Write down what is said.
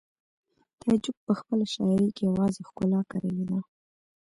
تعجب په خپله شاعرۍ کې یوازې ښکلا کرلې ده